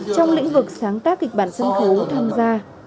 trong lĩnh vực sáng tác kịch bản sân khấu tham gia